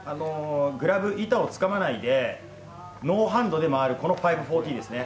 グラブ、板をつかまないで、ノーハンドで回る、この５４０ですね。